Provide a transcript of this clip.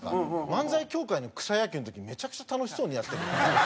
漫才協会の草野球の時めちゃくちゃ楽しそうにやってるので。